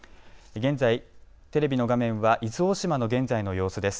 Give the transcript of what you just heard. テレビの画面は伊豆大島の現在の様子です。